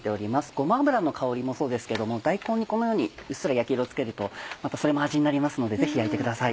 ごま油の香りもそうですけども大根にこのようにうっすら焼き色をつけるとまたそれも味になりますのでぜひ焼いてください。